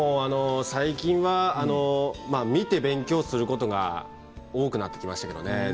最近は見て勉強することが多くなってきましたけれどもね。